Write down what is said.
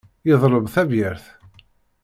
Yeḍleb tabyirt.